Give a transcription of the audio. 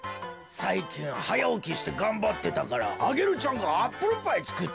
さいきんはやおきしてがんばってたからアゲルちゃんがアップルパイつくってくれたんじゃ。